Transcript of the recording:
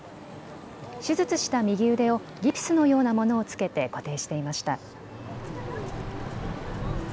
手術した右腕をギプスのようなものを着けて固定していました。